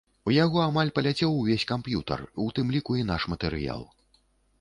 У яго амаль паляцеў увесь камп'ютар, у тым ліку і наш матэрыял.